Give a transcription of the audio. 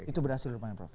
itu berhasil prof